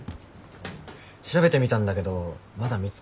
調べてみたんだけどまだ見つかんなくて。